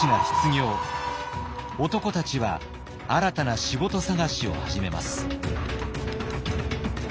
男たちは新たな仕事探しを始めます。